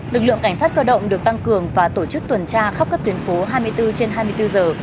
lực lượng cảnh sát cơ động được tăng cường và tổ chức tuần tra khắp các tuyến phố hai mươi bốn trên hai mươi bốn giờ